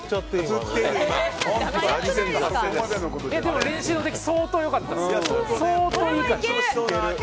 でも練習の時相当良かったですよ。